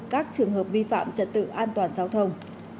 các trường hợp vi phạm trật tự an toàn giao thông